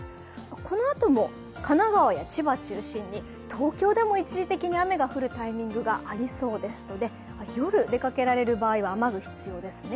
このあとも神奈川や千葉中心に東京でも一時的に雨が降るタイミングがありそうですので夜、出かけられる場合は雨具が必要ですね。